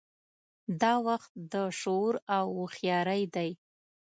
دا وخت د شعور او هوښیارۍ دی.